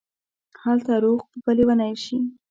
هلکه روغ به لېونی شې